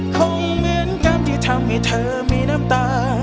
คงเหมือนกันที่ทำให้เธอมีน้ำตา